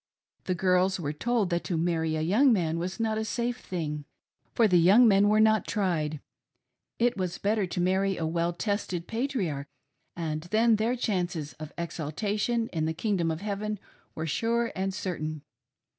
The girls were told that to marry a young man was not a safe thing, for' AT WHAT AGE GIRLS SHOULD MARRY. 321 young men were not tried — it was better to marry a well tested patriarch and then their chances of " exaltation " in the kingdom of heaven were sure and. certain.